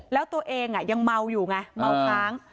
แล้วตัวเองยังเมาอยู่ไงเมาค้าง